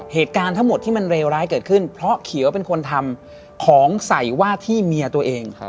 เหตุการณ์ทั้งหมดที่มันเลวร้ายเกิดขึ้นเพราะเขียวเป็นคนทำของใส่ว่าที่เมียตัวเอง